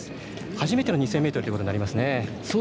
初めての２０００ｍということになりますね。